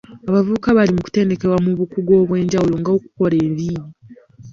Abavubuka bali mu kutendekebwa mu bukugu obw'enjawulo nga okukola enviiri.